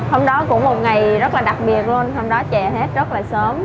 hôm đó cũng một ngày rất là đặc biệt luôn hôm đó chạy hết rất là sớm